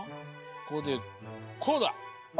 こうでこうだ！